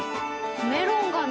メロンがね